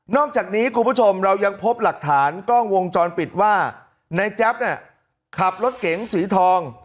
อกจากนี้คุณผู้ชมเรายังพบหลักฐานกล้องวงจรปิดว่าในแจ๊บเนี่ยขับรถเก๋งสีทอง